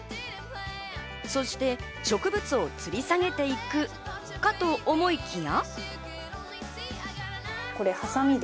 そして植物をつり下げていくかと思いきや。